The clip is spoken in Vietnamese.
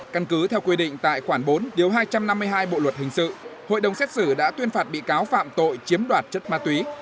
căn cứ theo quy định tại khoản bốn điều hai trăm năm mươi hai bộ luật hình sự hội đồng xét xử đã tuyên phạt bị cáo phạm tội chiếm đoạt chất ma túy